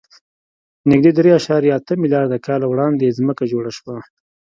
نږدې درې اعشاریه اته میلیارده کاله وړاندې ځمکه جوړه شوه.